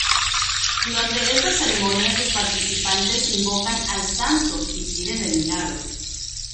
Durante estas ceremonias sus participantes invocan al santo y piden el milagro.